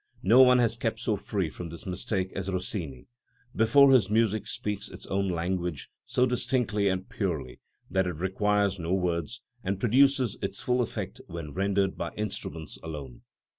No one has kept so free from this mistake as Rossini; therefore his music speaks its own language so distinctly and purely that it requires no words, and produces its full effect when rendered by instruments alone.